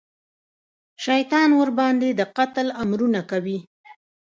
شیطان ورباندې د قتل امرونه کوي.